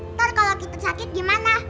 ntar kalau kita sakit gimana